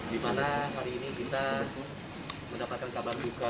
dimana hari ini kita mendapatkan kabar buka